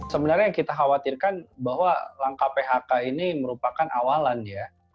sebenarnya yang kita khawatirkan bahwa langkah phk ini merupakan awalan ya